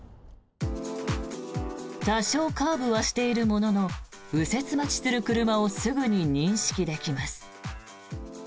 多少カーブはしているものの右折待ちする車をすぐに認識できます。